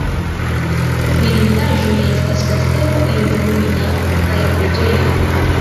Vidindaĵoj estas kastelo iom ruina kaj preĝejo.